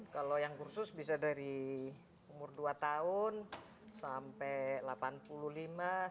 kalau yang kursus bisa dari umur dua tahun sampai delapan puluh lima